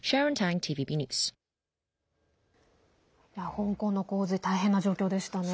香港の洪水大変な状況でしたね。